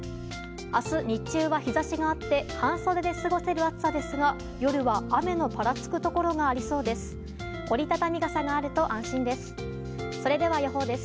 明日、日中は日差しがあって半袖で過ごせる暑さですが夜は雨のぱらつくところがありそうです。